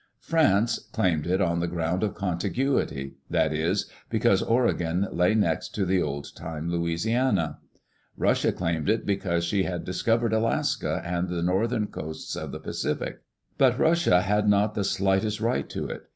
France claimed it on the ground of contiguity; that is, because Oregon lay next to the old time Louisiana. Russia claimed it because she had discovered Alaska and the northern coasts of the Pacific. But Russia had not the slightest right to it.